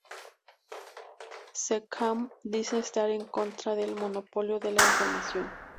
C-Kan dice estar en contra del monopolio de la información.